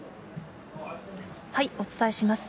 お伝えします。